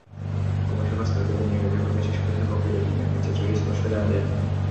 অবশ্য প্রস্তাবিত বিনিয়োগের বিপরীতে শেষ পর্যন্ত প্রকৃত বিনিয়োগের চিত্রটি স্পষ্ট জানা যায়নি।